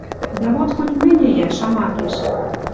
Дӓ вот хоть мӹньӹ йӓ, шамакеш.